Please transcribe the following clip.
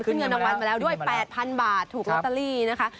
เงินรางวัลมาแล้วด้วย๘๐๐๐บาทถูกลอตเตอรี่นะคะ